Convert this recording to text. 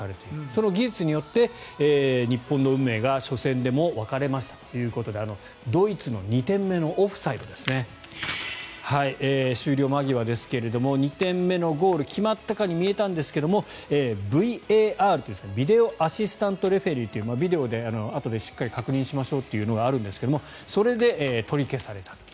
その技術によって日本の運命が初戦でも分かれましたということでドイツの２点目のオフサイド終了間際ですが２点目のゴールが決まったかのように見えたんですがＶＡＲ＝ビデオ・アシスタント・レフェリーというビデオであとで確認しましょうというのがあるんですがそれで取り消された。